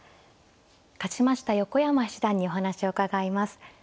勝ちました横山七段にお話を伺います。